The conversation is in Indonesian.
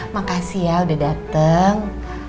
makasih ya udah dateng